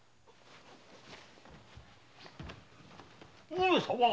上様！